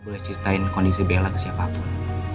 boleh ceritain kondisi bella ke siapapun